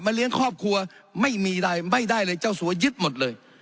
มาเลี้ยงครอบครัวไม่ได้เลยเจ้าสัวรายยึดหมดเลย